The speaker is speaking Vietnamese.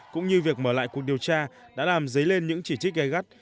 cũng như việc mở lại cuộc điều tra đã làm dấy lên những chỉ trích gây gắt